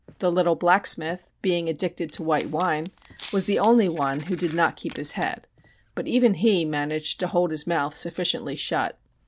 The little blacksmith, being addicted to white wine, was the only one who did not keep his head. But even he managed to hold his mouth sufficiently shut.